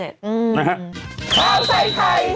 อืมนะฮะ